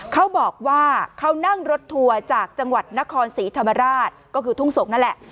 เขาบอกว่าเขานั่งรถทัวร์จากจังหวัดนครศรีธรรมราชก็คือทุ่งสงศนั่นแหละ